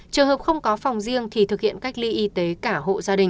trường hợp không có phòng riêng thì thực hiện cách ly y tế cả hộ gia đình